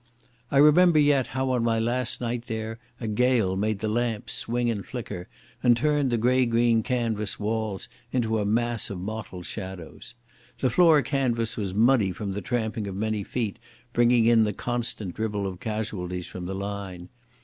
I remember yet how on my last night there a gale made the lamps swing and flicker, and turned the grey green canvas walls into a mass of mottled shadows. The floor canvas was muddy from the tramping of many feet bringing in the constant dribble of casualties from the line.